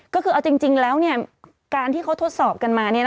ก็คือเอาจริงแล้วการที่เขาทดสอบกันมา